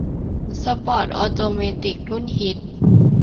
สปอร์ตออโตเมติกรุ่นฮิต